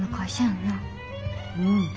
うん。